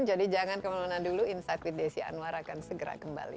jadi jangan kemana mana dulu insight with desy anwar akan segera kembali